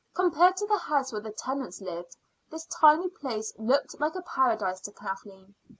Compared to the house where the Tennants lived, this tiny place looked like a paradise to Kathleen.